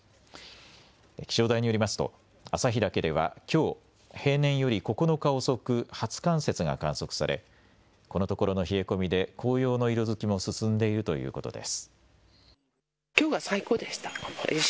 気象台によりますと、旭岳ではきょう、平年より９日遅く初冠雪が観測され、このところの冷え込みで紅葉の色づきも進んでいるということです。